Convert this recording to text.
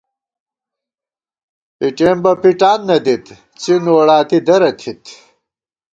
پِٹېم بہ پِٹان نہ دِت څِن ووڑاتی درہ تھِت